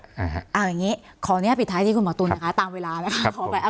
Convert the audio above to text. เอาอย่างนี้ขออนุญาตปิดท้ายที่คุณหมอตุ๋นนะคะตามเวลานะคะ